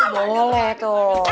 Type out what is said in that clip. wah boleh tuh